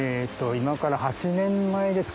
今から８年前ですかね。